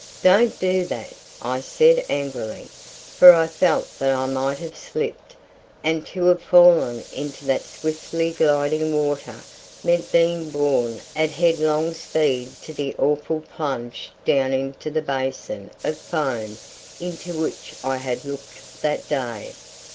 "Don't do that," I said angrily, for I felt that I might have slipped, and to have fallen into that swiftly gliding water meant being borne at headlong speed to the awful plunge down into the basin of foam into which I had looked that day.